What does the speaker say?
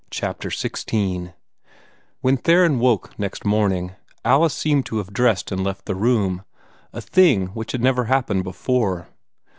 CHAPTER XVI When Theron woke next morning, Alice seemed to have dressed and left the room a thing which had never happened before.